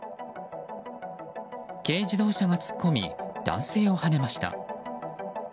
軽自動車が突っ込み男性をはねました。